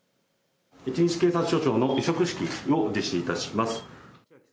１日警察署長の委嘱式を実施します。